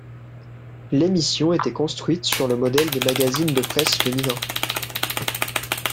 L'émission était construite sur le modèle des magazines de presse féminins.